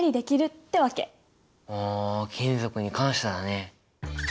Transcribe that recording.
あ金属に感謝だね。